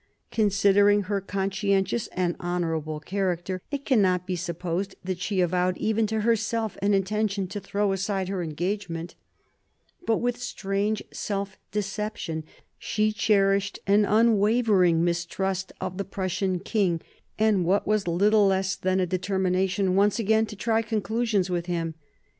Considering her conscientious and 46 MARIA THERESA chap, ii honourable character, it cannot be supposed that she avowed even to herself an intention to throw aside her engagement. But with strange self deception she cherished an unwavering mistrust of the Prussian king, and what was little less than a determination once again to try conclusions with him.